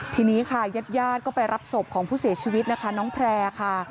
ทีนี้ค่ะญาติญาติก็ไปรับศพของผู้เสียชีวิตนะคะน้องแพร่ค่ะ